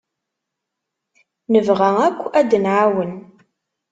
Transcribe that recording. Nebɣa akk ad d-nɛawen.